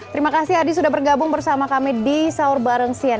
terima kasih adi sudah bergabung bersama kami di sahur bareng cnn